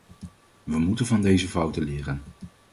We moeten van deze fouten leren.